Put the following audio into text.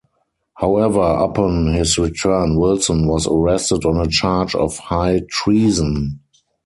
However, upon his return Wilson was arrested on a charge of high treason.